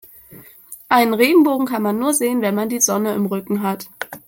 Einen Regenbogen kann man nur sehen, wenn man die Sonne im Rücken hat.